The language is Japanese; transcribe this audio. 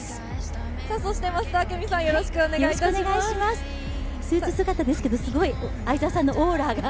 スーツ姿ですけどすごい相澤さんのオーラが。